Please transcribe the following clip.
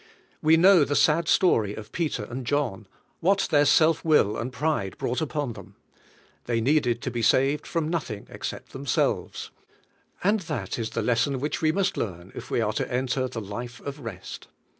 We know the sad story of Peter and John; what their self will and pride brought upon them. They needed to be saved from nothing except themselves, and that is the lesson which we must learn, if we are to enter the life of rest.